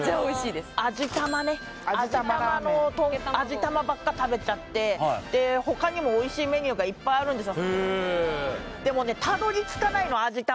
味玉ばっか食べちゃってはいで他にもおいしいメニューがいっぱいあるんですよ